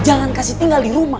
jangan kasih tinggal di rumah